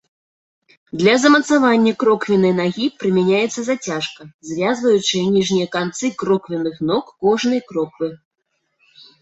Для замацавання кроквеннай нагі прымяняецца зацяжка, звязваючая ніжнія канцы кроквенных ног кожнай кроквы.